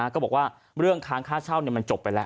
ก็บอกว่าเรื่องค้างค่าเช่ามันจบไปแล้ว